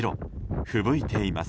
ふぶいています。